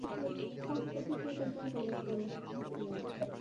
কাজটা ঠিকমতো সম্পন্ন কোরো, লয়েড।